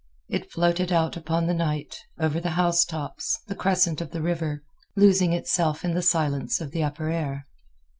It floated out upon the night, over the housetops, the crescent of the river, losing itself in the silence of the upper air.